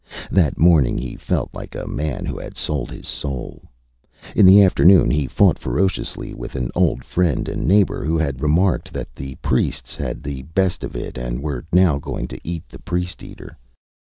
That morning he felt like a man who had sold his soul. In the afternoon he fought ferociously with an old friend and neighbour who had remarked that the priests had the best of it and were now going to eat the priest eater.